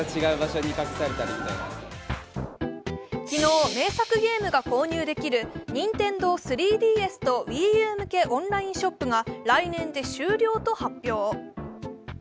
昨日、名作ゲームが購入できるＮｉｎｔｅｎｄｏ３ＤＳとＷｉｉＵ向けオンラインショップが来年で終了と発表。